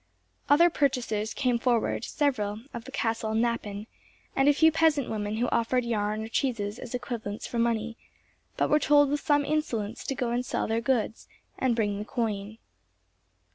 Other purchasers came forward—several, of the castle knappen, and a few peasant women who offered yarn or cheeses as equivalents for money, but were told with some insolence to go and sell their goods, and bring the coin.